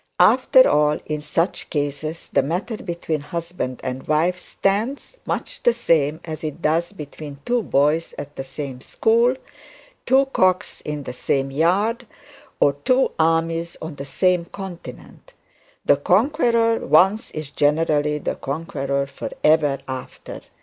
After all, in such cases the matter between husband and wife stands much the same as it does between two boys at the same school, two cocks in the same yard, or two armies on the same continent. The conqueror once is generally the conqueror for ever after.